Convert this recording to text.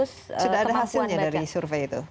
sudah ada hasilnya dari survei itu